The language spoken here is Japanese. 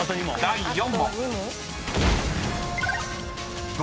［第４問］